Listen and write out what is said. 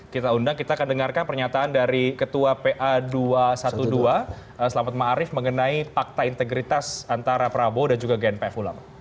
kita undang kita akan dengarkan pernyataan dari ketua pa dua ratus dua belas selamat ma'arif